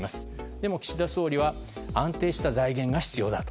でも岸田総理は安定した財源が必要だと。